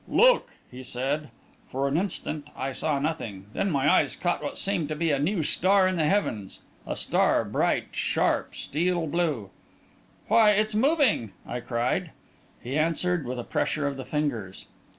"Look!" he said. For an instant, I saw nothing; then my eyes caught what seemed to be a new star in the heavens; a star bright, sharp, steel blue "Why, it's moving!" I cried. He answered with a pressure of the fingers.